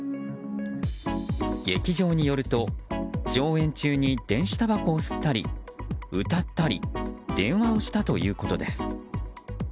劇場によると上演中に電子たばこを吸ったり歌ったり電話をしたということです。